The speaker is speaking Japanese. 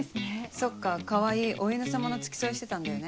そっか川合お犬様の付き添いしてたんだよね。